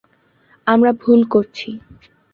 আমরা ভুল করছি।